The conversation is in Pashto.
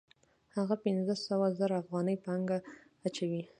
هغه پنځه سوه زره افغانۍ پانګه اچوي